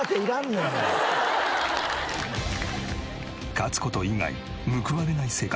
勝つ事以外報われない世界。